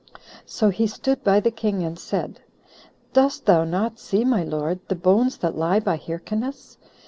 So he stood by the king, and said, "Dost thou not see, my lord, the bones that lie by Hyrcanus?